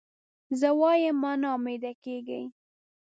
زه وایم مه نا امیده کېږی.